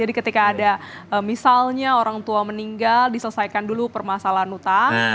jadi ketika ada misalnya orang tua meninggal diselesaikan dulu permasalahan hutang